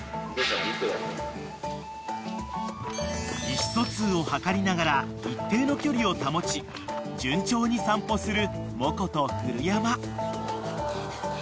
［意思疎通を図りながら一定の距離を保ち順調に散歩するモコと古山］